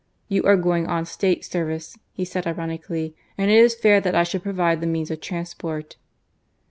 " You are going on State service," he said, ironically, " and it is fair that I should provide the means of transport."